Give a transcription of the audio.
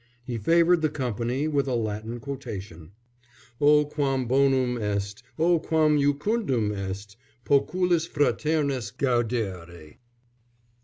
He favoured the company with a Latin quotation: "O quam bonum est, O quam jucundum est, Poculis fraternis gaudere."